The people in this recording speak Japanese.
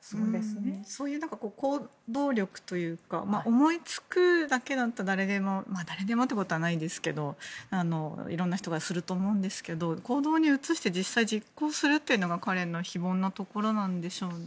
そういう行動力というか思いつくだけだったら誰でもというわけではないですがいろんな人がすると思うんですけど行動に移して実際に実行するというのが彼の非凡なところなんでしょうね。